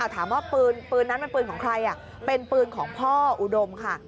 ถามว่าปืนนั้นมันปืนของใครเป็นปืนของพ่ออุดมค่ะ